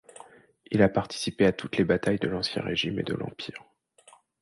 Il a participé à toutes les batailles de l'Ancien Régime et de l'Empire.